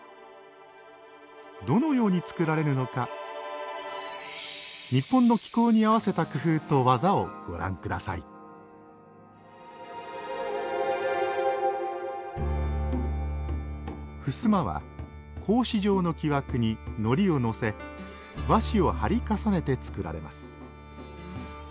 どのように作られるのか日本の気候に合わせた工夫と技をご覧ください襖は格子状の木枠にのりをのせ和紙を貼り重ねて作られます。